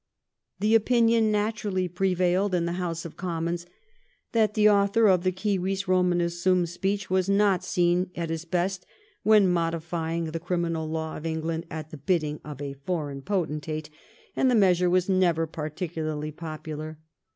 The opinion naturally prevailed in the House of Commons that the author of the civis Roma nu8 sum speech was not seen at his best when modifying the criminal law of England at the bidding of a foreign potentate; and the measure was never particularly popular.